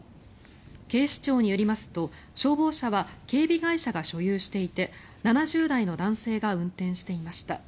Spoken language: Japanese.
警視庁によりますと消防車は警備会社が所有していて７０代の男性が運転していました。